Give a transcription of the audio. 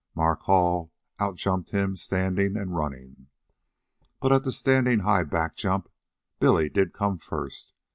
Mark Hall out jumped him standing and running. But at the standing high back jump Billy did come first.